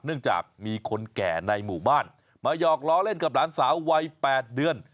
เนื่องจากมีคนแก่ในหมู่บ้านมาหยอกล้อเล่นกับหลานสาววัย๘เดือน